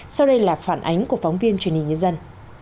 sau đây là phản ánh của phóng viên truyền hình nhân dân